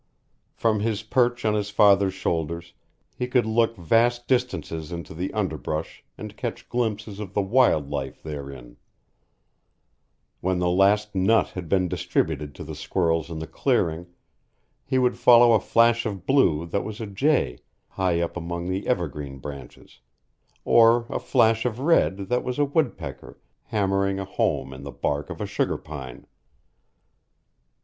From his perch on his father's shoulders he could look vast distances into the underbrush and catch glimpses of the wild life therein; when the last nut had been distributed to the squirrels in the clearing, he would follow a flash of blue that was a jay high up among the evergreen branches, or a flash of red that was a woodpecker hammering a home in the bark of a sugar pine.